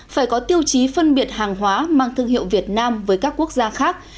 phải có tiêu chí phân biệt hàng hóa mang thương hiệu việt nam với các quốc gia khác